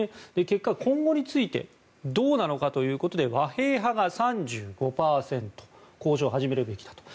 結果、今後についてどうなのかということで和平派が３５％交渉を始めるべきだと。